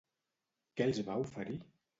Què els va oferir?